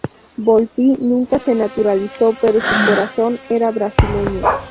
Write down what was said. Volpi nunca se naturalizó, pero su corazón era brasilero.